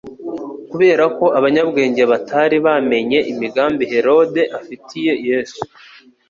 Kubera ko abanyabwenge batari bamenye imigambi Herode afitiye Yesu,